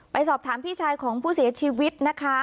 ไปสอบถามพี่ชายของผู้เสียชีวิตนะคะ